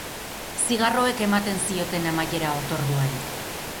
Zigarroek ematen zioten amaiera otorduari.